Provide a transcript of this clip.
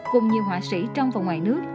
cùng nhiều họa sĩ trong và ngoài nước